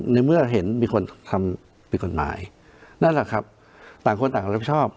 ในเมื่อเห็นมีคนทำผิดกฎหมายนั่นแหละครับต่างคนต่างรับผิดชอบ